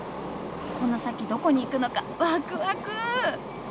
この先どこに行くのかワクワク！